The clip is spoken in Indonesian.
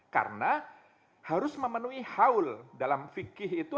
karena harus memenuhi haul dalam fikihnya